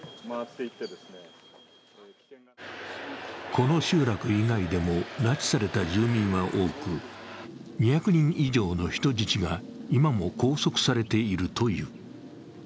この集落以外でも拉致された住民は多く２００人以上の人質が今も拘束されているという。